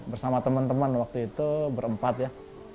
bersama temen temen waktu itu berempat ya